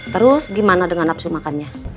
terus gimana dengan nafsu makannya